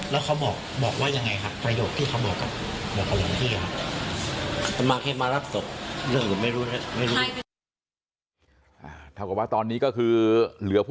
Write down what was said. แล้วเขาบอกว่ายังไงครับประโยคที่เขาบอกกับหลวงพี่ครับ